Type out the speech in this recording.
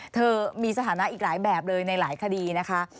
เธอมีสถานะอีกหลายแบบเลยในหลายคดีนะคะ